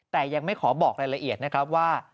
แต่ยังไม่ขอบอกรายละเอียดนะครับว่า